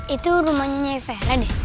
itu rumahnya vera deh